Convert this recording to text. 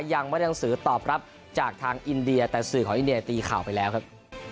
ยังไม่ได้หนังสือตอบรับจากทางอินเดียแต่สื่อของอินเดียตีข่าวไปแล้วครับ